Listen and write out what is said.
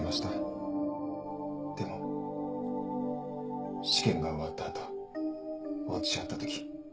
でも試験が終わったあと落ち合った時。